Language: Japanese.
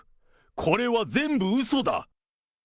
これは全部うそだ。